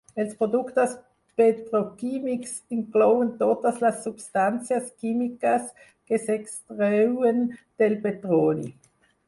Els productes petroquímics inclouen totes les substàncies químiques que s'extreuen del petroli.